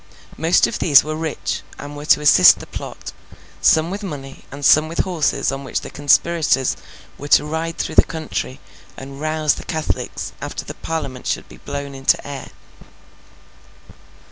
Most of these were rich, and were to assist the plot, some with money and some with horses on which the conspirators were to ride through the country and rouse the Catholics after the Parliament should be blown into air.